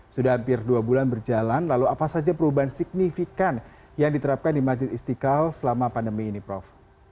sudah hampir dua bulan berjalan lalu apa saja perubahan signifikan yang diterapkan di majid istiqlal selama pandemi ini prof